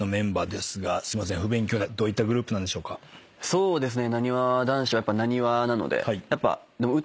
そうですね。